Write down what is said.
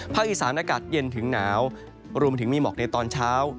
อีสานอากาศเย็นถึงหนาวรวมถึงมีหมอกในตอนเช้า